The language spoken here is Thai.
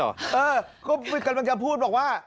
เออก็กำลังจะพูดบอกว่า